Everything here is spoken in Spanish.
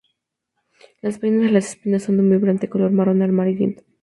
Las vainas de las espinas son de un brillante color marrón amarillento.